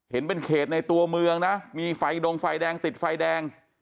เห็นเป็นเขตในตัวเมืองนะมีไฟดงไฟแดงติดไฟแดง